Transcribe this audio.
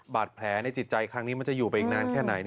บาดแผลในจิตใจครั้งนี้มันจะอยู่ไปอีกนานแค่ไหน